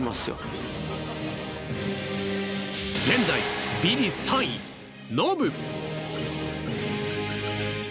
現在、ビリ３位、ノブ。